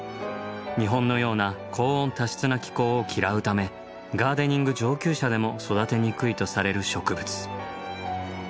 日本のような高温多湿な気候を嫌うためガーデニング上級者でも育てにくいとされる植物。